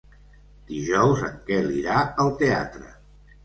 Dijous en Quel irà al teatre.